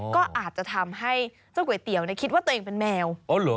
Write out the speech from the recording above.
ก็อาจจะทำให้เจ้าก๋วยเตี๋ยวคิดว่าตัวเองเป็นแมว